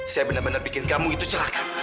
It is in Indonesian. saya benar benar bikin kamu itu celaka